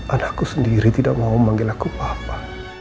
anakku sendiri tidak mau memanggil aku papa